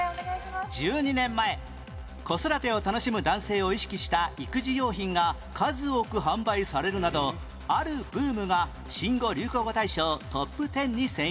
１２年前子育てを楽しむ男性を意識した育児用品が数多く販売されるなどあるブームが新語・流行語大賞トップ１０に選出